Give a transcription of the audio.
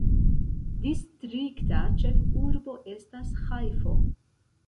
Distrikta ĉefurbo estas Ĥajfo.